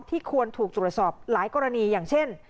ควรถูกตรวจสอบหลายกรณีอย่างเช่น